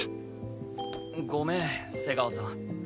ごめん瀬川さん。